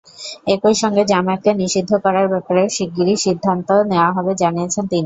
একই সঙ্গে জামায়াতকে নিষিদ্ধ করার ব্যাপারেও শিগগিরই সিদ্ধান্ত নেওয়া হবে জানিয়েছেন তিনি।